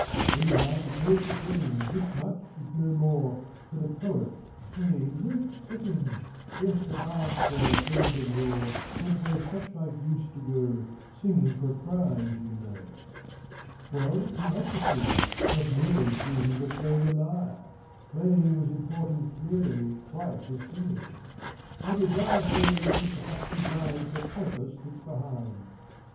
Anyhow there's no forgetting This much if no more, That a poet (pray, no petting !) Yes, a bard, sir, famed of yore, Went where suchlike used to go, Singing for a prize, you know. Well, he had to sing, nor merely Sing but play the lyre ; Playing was important clearly Quite as singing : I desire, Sir, you keep the fact in mind For a purpose that's behind.